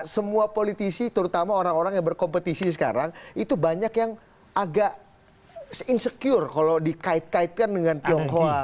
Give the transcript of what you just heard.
semua politisi terutama orang orang yang berkompetisi sekarang itu banyak yang agak insecure kalau dikait kaitkan dengan tionghoa